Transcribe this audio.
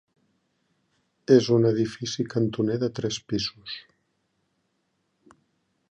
És un edifici cantoner de tres pisos.